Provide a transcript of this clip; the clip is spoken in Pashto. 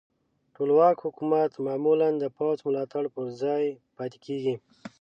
ټولواک حکومت معمولا د پوځ په ملاتړ پر ځای پاتې کیږي.